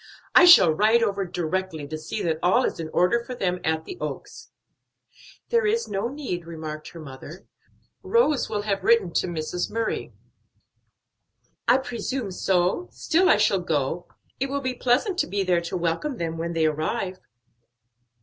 "I shall ride over directly, to see that all is in order for them at the Oaks." "There is no need," remarked her mother. "Rose will have written to Mrs. Murray." "I presume so, still I shall go; it will be pleasant to be there to welcome them when they arrive."